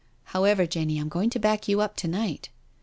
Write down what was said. ••. However, Jemiy, I'm going to back you up Co night.